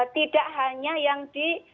tidak hanya yang di